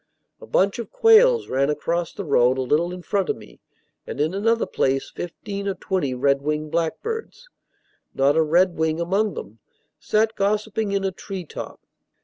A bunch of quails ran across the road a little in front of me, and in another place fifteen or twenty red winged blackbirds (not a red wing among them) sat gossiping in a treetop.